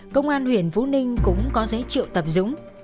công an huyện phú ninh cũng có giấy triệu tập dũng